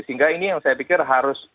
sehingga ini yang saya pikir harus